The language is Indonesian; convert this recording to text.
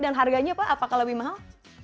dan harganya pak apakah lebih mahal